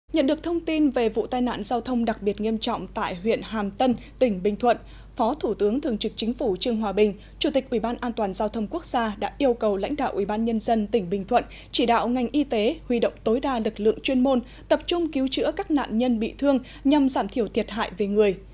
nhận được thông tin về vụ tai nạn giao thông đặc biệt nghiêm trọng tại huyện hàm tân tỉnh bình thuận phó thủ tướng thường trực chính phủ trương hòa bình chủ tịch ubndgqx đã yêu cầu lãnh đạo ubnd tỉnh bình thuận chỉ đạo ngành y tế huy động tối đa lực lượng chuyên môn tập trung cứu chữa các nạn nhân bị thương nhằm giảm thiểu thiệt hại về người